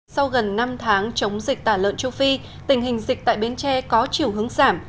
sau gần năm tháng chống dịch tả lợn châu phi tình hình dịch tại bến tre có chiều hướng giảm